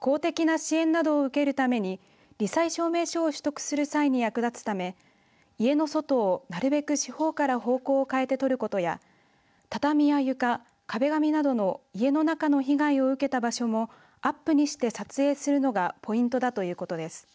公的な支援などを受けるためにり災証明書を取得する際に役立つため家の外をなるべく四方から方向を変えて撮ることや畳や床、壁紙などの家の中の被害を受けた場所もアップにして撮影するのがポイントだということです。